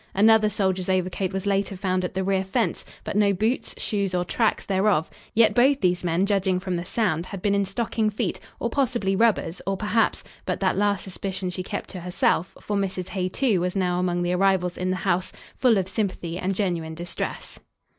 Another soldier's overcoat was later found at the rear fence, but no boots, shoes or tracks thereof, yet both these men, judging from the sound, had been in stocking feet, or possibly rubbers, or perhaps but that last suspicion she kept to herself, for Mrs. Hay, too, was now among the arrivals in the house, full of sympathy and genuine distress.